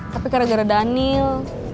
tapi gara gara daniel